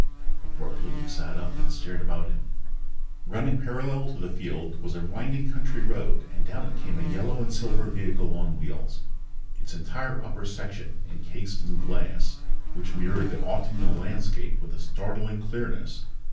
Abruptly he sat up and stared about him. Running parallel to the field was a winding country road and down it came a yellow and silver vehicle on wheels, its entire upper section encased in glass which mirrored the autumnal landscape with a startling clearness.